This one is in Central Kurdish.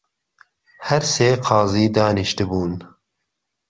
هەر سێ قازی دانیشتبوون